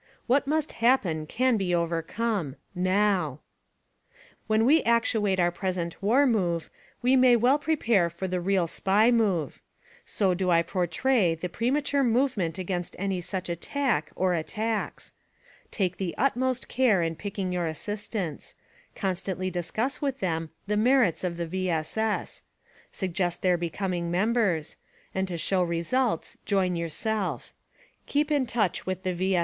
What must happen can be overcome — NOW ! When we actuate our present war move we may well prepare for the real SPY miove. So do I portray the premature movement against any such attack, or attacks. Take the utmost care in picking your assistants ; constantly discuss with them the merits of the V. S. S. _; suggest their becoming members : And to show results join yourself. Keep in touch with the V.